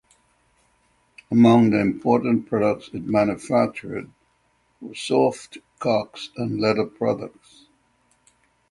Among the important products it manufactured were soft cocks and leather products.